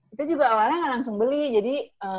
itu juga awalnya gak langsung beli jadi